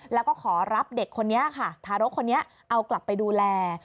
แล้วก็ขอรับเด็กคนนี้ค่ะทารกคนนี้เอากลับไปดูแล